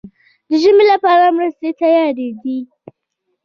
د ژمي لپاره مرستې تیارې دي؟